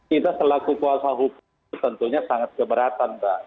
kita selaku kuasa hukum tentunya sangat keberatan mbak